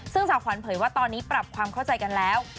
ซึ่งสาวขวัญเผยว่าตอนนี้ปรับความเข้าใจกันแล้ว